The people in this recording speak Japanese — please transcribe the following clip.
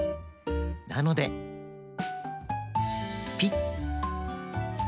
なのでピッ！